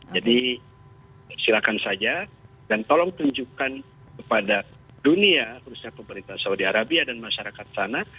jadi silakan saja dan tolong tunjukkan kepada dunia perusahaan pemerintah saudi arabia dan masyarakat sana